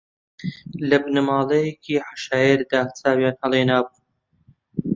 لە بنەماڵەیەکی عەشایەردا چاوی ھەڵھێنابوو